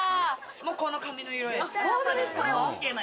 この髪の色です。